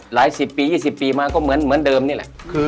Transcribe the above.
หลายสิบปี๒๐ปีมาก็เหมือนเดิมนี่แหละ